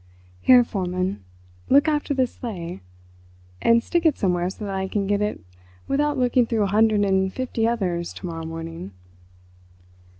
Here, Forman, look after this sleigh—and stick it somewhere so that I can get it without looking through a hundred and fifty others to morrow morning."